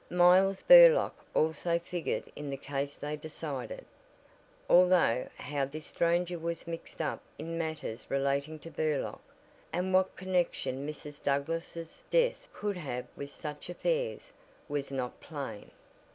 Miles Burlock also figured in the case they decided, although how this stranger was mixed up in matters relating to Burlock, and what connection Mrs. Douglass' death could have with such affairs, was not plain.